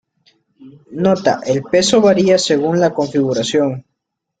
Nota: El peso varía según la configuración.